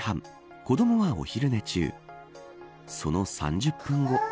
子どもがお昼寝中その３０分後。